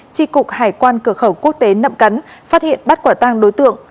tri cục hải quan cửa khẩu quốc tế nậm cắn phát hiện bắt quả tang đối tượng